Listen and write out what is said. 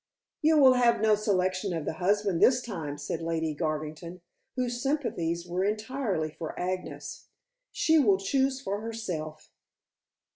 "You will have no selection of the husband this time," said Lady Garvington, whose sympathies were entirely for Agnes. "She will choose for herself."